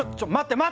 待って。